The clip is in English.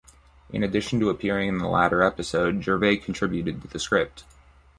In addition to appearing in the latter episode, Gervais contributed to the script.